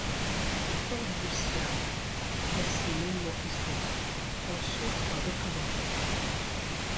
Les Forges de Syam, classées monument historique, en sont un représentant.